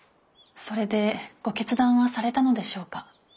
それでご決断はされたのでしょうか？